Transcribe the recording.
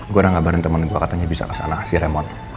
gue udah ngabarin temen gue katanya bisa kesana si remon